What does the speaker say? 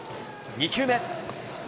２球目。